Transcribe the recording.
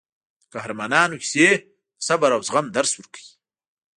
د قهرمانانو کیسې د صبر او زغم درس ورکوي.